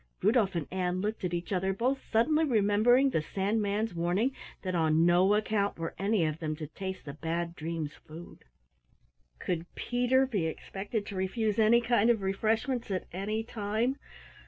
Rudolf and Ann looked at each other, both suddenly remembering the Sandman's warning that on no account were any of them to taste the Bad Dreams' food. Could Peter be expected to refuse any kind of refreshments at any time?